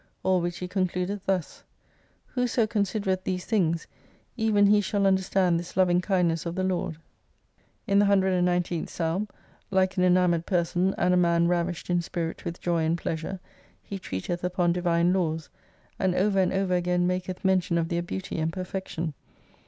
All which he concludeth thus : Whoso considereth these things^ even he shall understand this loving kindness of the Lord. In the 231 119th psalm, like an enamoured, person, and a man ravished in spirit with joy and pleasure, he treateth upon Divine laws, and over and over again maketh mention of their beauty and perfection.